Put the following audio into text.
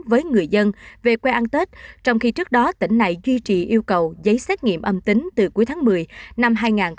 với người dân về quê ăn tết trong khi trước đó tỉnh này duy trì yêu cầu giấy xét nghiệm âm tính từ cuối tháng một mươi năm hai nghìn hai mươi